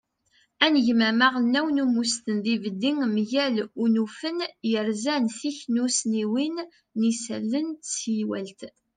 anegmam aɣelnaw n umesten d yibeddi mgal unufen yerzan tiknussniwin n yisallen d teywalt